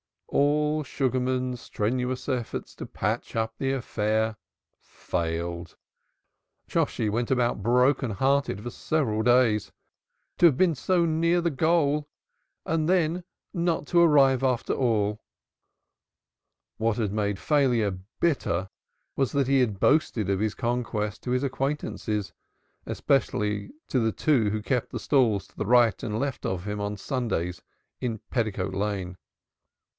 All Sugarman's strenuous efforts to patch up the affair failed. Shosshi went about broken hearted for several days. To have been so near the goal and then not to arrive after all! What made failure more bitter was that he had boasted of his conquest to his acquaintances, especially to the two who kept the stalls to the right and left of him on Sundays in Petticoat Lane.